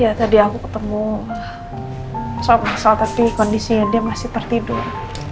ya tadi aku ketemu soal massal tapi kondisinya dia masih tertidur